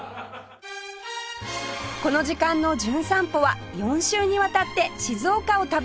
この時間の『じゅん散歩』は４週にわたって静岡を旅します